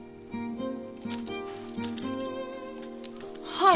はい。